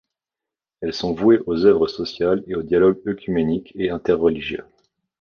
Elles sont vouées aux œuvres sociales et aux dialogues œcuméniques et interreligieux.